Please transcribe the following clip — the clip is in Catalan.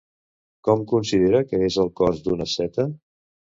Com considera que és el cos d'un asceta?